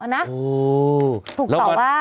ถูกตอบว่า